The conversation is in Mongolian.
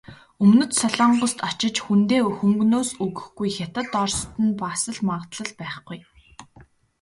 Өмнөд Солонгост очиж хүндээ хөнгөнөөс өгөхгүй, Хятад, Орост нь бас л магадлал байхгүй.